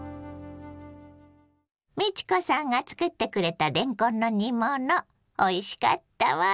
美智子さんが作ってくれたれんこんの煮物おいしかったわ。